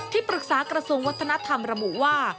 ที่ปรึกษากระทรวงวัฒนธรรมระบุว่า